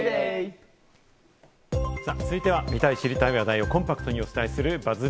続いては、見たい知りたい話題をコンパクトにお伝えするＢＵＺＺ